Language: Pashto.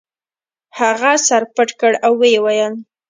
هغه سر پټ کړ او ویې ویل.